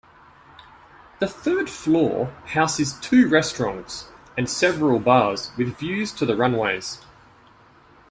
The third floor houses two restaurants and several bars with views to the runways.